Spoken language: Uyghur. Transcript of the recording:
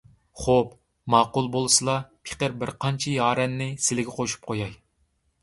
خوپ، ماقۇل بولسىلا، پېقىر بىرقانچە يارەننى سىلىگە قوشۇپ قوياي.